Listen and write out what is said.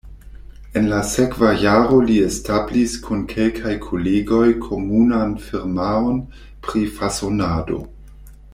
En la sekva jaro li establis kun kelkaj kolegoj komunan firmaon pri fasonado.